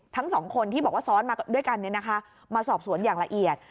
ทั้งสองคนที่บอกว่าซ้อนมาด้วยกันมาสอบสวนอย่างละเอียด